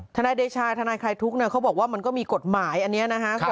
ธนัยเดชายธนัยคลายทุกข์เนี่ยเขาบอกว่ามันก็มีกฏหมายอันนี้นะคะ